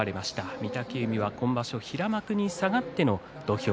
御嶽海は今場所平幕に下がっての土俵。